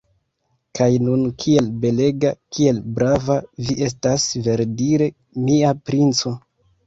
Kaj nun kiel belega, kiel brava vi estas, verdire, mia princo!